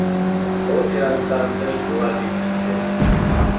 Был сираттан тыш була бит инде